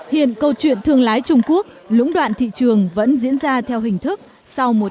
hiện câu chuyện thương lái trung quốc lũng đoạn thị trường vẫn diễn ra theo hình thức sau một